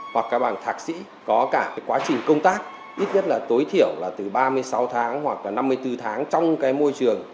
hoặc là bằng thạc sĩ có cả cái quá trình công tác ít nhất là tối thiểu là từ ba mươi sáu tháng hoặc là năm mươi bốn tháng trong cái môi trường